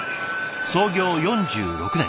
創業４６年。